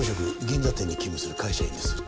銀座店に勤務する会社員です。